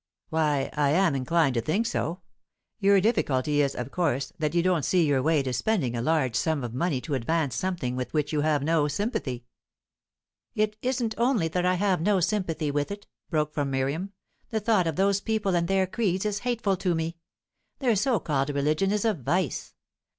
"Why, I am inclined to think so. Your difficulty is, of course, that you don't see your way to spending a large sum of money to advance something with which you have no sympathy." "It isn't only that I have no sympathy with it," broke from Miriam. "The thought of those people and their creeds is hateful to me. Their so called religion is a vice.